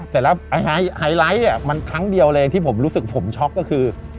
เสร็จแล้วไฮไลท์มันครั้งเดียวเลยที่ผมรู้สึกผมช็อกก็คือ